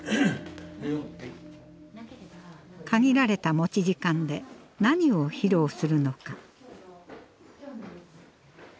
限られた持ち時間で何を披露するのか。